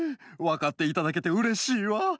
わかっていただけてうれしいわ。